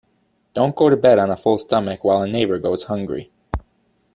Don't go to bed on a full stomach while a neighbour goes hungry.